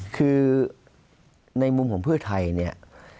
คือในมุมของเพื่อไทยเนี่ย